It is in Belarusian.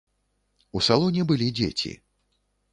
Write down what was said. У салоне былі дзеці.